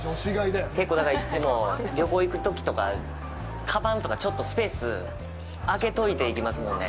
結構いつも旅行行くときとかかばんとか、ちょっとスペース空けといて行きますもんね。